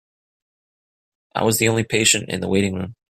I was the only patient in the waiting room.